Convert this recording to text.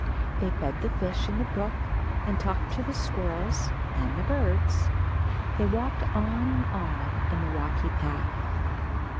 They fed the fish in the brook and talked to the squirrels and the birds. They walked on and on in the rocky path.